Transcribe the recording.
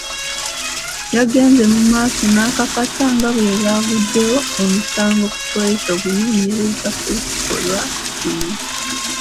Yagenze mu maaso n'akakasa nga bwe bagguddewo omusango ku poliisi okunoonyereza ku kikolwa kino.